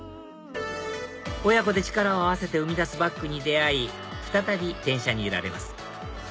親子で力を合わせて生み出すバッグに出会い再び電車に揺られます